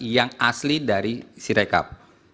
yang asli dari si rekap